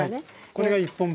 これが１本分。